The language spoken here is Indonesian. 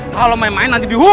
kalau lo main main nanti dihuk